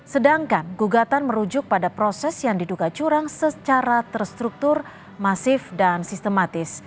sedangkan gugatan merujuk pada proses yang diduga curang secara terstruktur masif dan sistematis